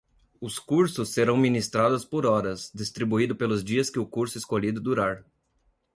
Os cursos serão ministrados por horas, distribuídos pelos dias que o curso escolhido durar.